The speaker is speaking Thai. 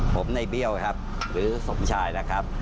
ผมในเบี้ยวครับหรือสมชายนะครับ